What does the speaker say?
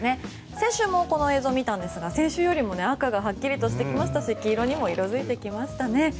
先週もこの映像を見たんですが先週よりも赤がはっきりとしてきましたし黄色にも色づいてきましたね。